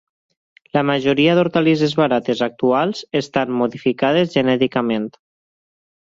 La majoria d'hortalisses barates actuals estan modificades genèticament.